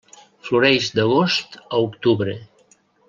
Floreix d'agost a octubre.